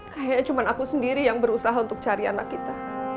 kayaknya cuma aku sendiri yang berusaha untuk cari anak kita